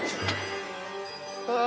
あ。